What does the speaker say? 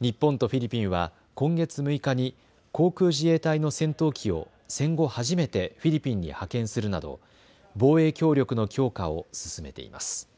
日本とフィリピンは今月６日に航空自衛隊の戦闘機を戦後初めてフィリピンに派遣するなど防衛協力の強化を進めています。